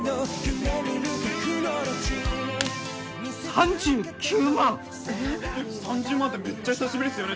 ３９万ええっ３０万台めっちゃ久しぶりっすよね